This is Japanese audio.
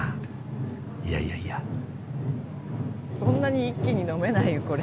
そんなに一気に飲めないよこれ。